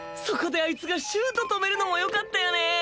そこであいつがシュート止めるのもよかったよね！